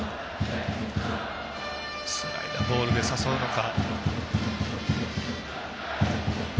スライダーボールで誘うのか。